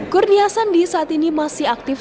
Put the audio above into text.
kurnia sandi saat ini masih aktif